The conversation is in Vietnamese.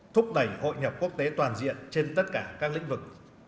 thúc đẩy hội nhập quốc tế toàn diện trên tất cả các lĩnh vực